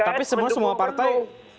tapi semua semua partai